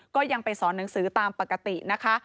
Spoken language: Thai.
ก็ยังไปสอนหนังสือตามปกตินะคะ